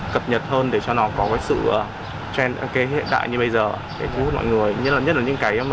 cập nhật hơn để cho nó có cái sự hệ đại như bây giờ để thu hút mọi người nhất là những cái mà